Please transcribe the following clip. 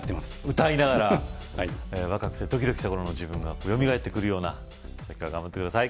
歌いながら若くてドキドキした頃の自分がよみがえってくるようなじゃあ今日は頑張ってください